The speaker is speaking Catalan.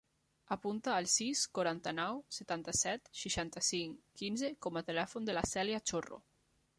Apunta el sis, quaranta-nou, setanta-set, seixanta-cinc, quinze com a telèfon de la Cèlia Chorro.